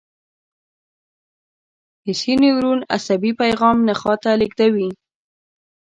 حسي نیورون عصبي پیغام نخاع ته لېږدوي.